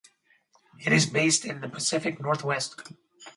It is based in the Pacific Northwest.